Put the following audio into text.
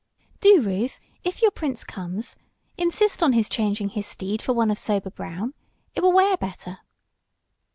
"Do, Ruth, if your prince comes, insist on his changing his steed for one of sober brown. It will wear better."